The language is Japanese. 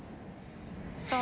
そう。